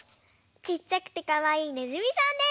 ちっちゃくてかわいいねずみさんです！